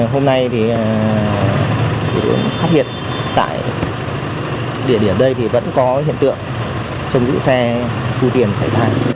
hôm nay thì phát hiện tại địa điểm đây thì vẫn có hiện tượng trông giữ xe thu tiền xảy ra